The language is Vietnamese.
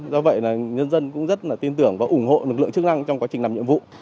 do vậy là nhân dân cũng rất tin tưởng và ủng hộ lực lượng chức năng trong quá trình làm nhiệm vụ